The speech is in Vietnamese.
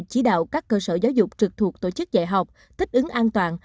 chỉ đạo các cơ sở giáo dục trực thuộc tổ chức dạy học thích ứng an toàn